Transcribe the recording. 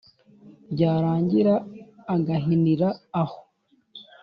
ryarangira agahinira aho,